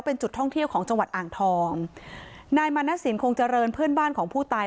เป็นจุดท่องเที่ยวของจังหวัดอ่างทองนายมณสินคงเจริญเพื่อนบ้านของผู้ตาย